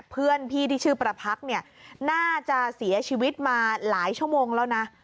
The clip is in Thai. เพื่อนพี่ที่ชื่อประพักษ์เนี่ยน่าจะเสียชีวิตมาหลายชั่วโมงแล้วนะ